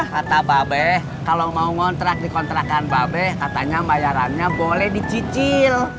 kata babeh kalau mau ngontrak dikontrakan babeh katanya bayarannya boleh dicicil